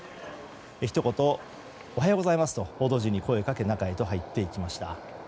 ひと言、おはようございますと報道陣に声をかけ中へと入っていきました。